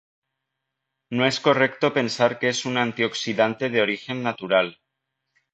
No es correcto pensar que es un antioxidante de origen natural.